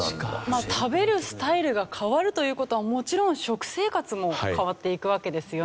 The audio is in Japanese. まあ食べるスタイルが変わるという事はもちろん食生活も変わっていくわけですよね。